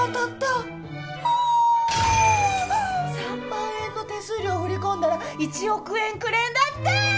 ３万円の手数料振り込んだら１億円くれんだってー！